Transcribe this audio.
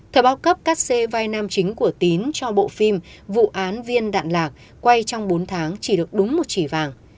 thời bao cấp cắt xê vai nam chính của tín cho bộ phim vụ án viên đạn lạc quay trong bốn tháng chỉ được đúng một chỉ vàng